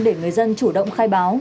để người dân chủ động khai báo